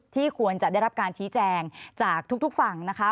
ควรจะได้รับการชี้แจงจากทุกฝั่งนะคะ